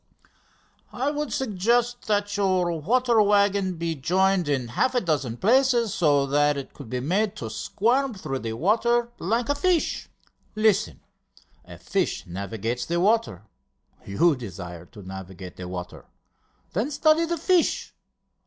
"I would suggest that your water waggon be jointed in half a dozen places, so that it could be made to squirm through the water like a fish. Listen! A fish navigates the water. You desire to navigate the water. Then study the fish!